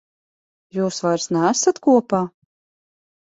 Jūs vairs neesat kopā?